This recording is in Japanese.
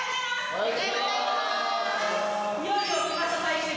おはようございます。